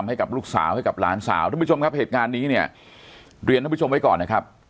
ให้กับลูกสาวให้กับหลานสาวทุกผู้ชมครับเหตุการณ์นี้เนี่ยเรียนท่านผู้ชมไว้ก่อนนะครับ